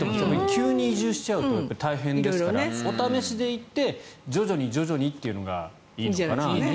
急に移住しちゃうと大変ですからお試しで行って徐々にというのがいいのかな。